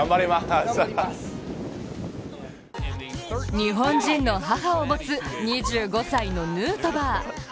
日本人の母を持つ２５歳のヌートバー。